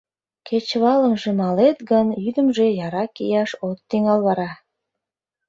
Кечывалымже малет гын, йӱдымжӧ яра кияш от тӱҥал вара.